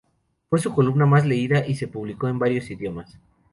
Fue su columna más leída y se publicó en varios idiomas.